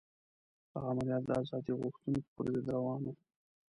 دغه عملیات د ازادي غوښتونکو پر ضد روان وو.